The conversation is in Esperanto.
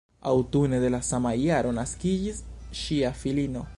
Aŭtune de le sama jaro naskiĝis ŝia filino.